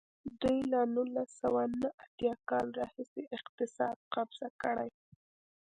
دوی له نولس سوه نهه اتیا کال راهیسې اقتصاد قبضه کړی.